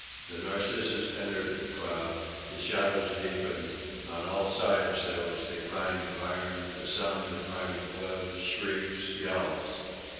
The Narcissus entered the cloud; the shadows deepened; on all sides there was the clang of iron, the sound of mighty blows, shrieks, yells.